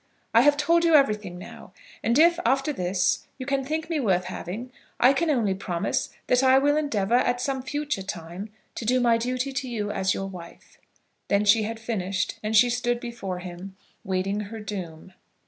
I have told you everything now; and if, after this, you can think me worth having, I can only promise that I will endeavour, at some future time, to do my duty to you as your wife." Then she had finished, and she stood before him waiting her doom.